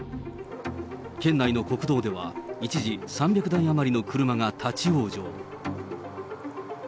県内の国道では一時、３００台余りの車が立往生。